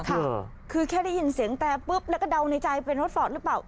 คือแค่ได้ยินเสียงแตรปุ๊บแล้วก็เดาในใจเป็นรถฟอร์ตหรือเปล่า